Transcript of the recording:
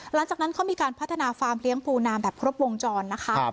หลังจากนั้นเขามีการพัฒนาฟาร์มเลี้ยงปูนาแบบครบวงจรนะคะ